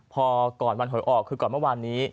พอก่อนวันหวยออกคือก่อนเมื่อวานนี้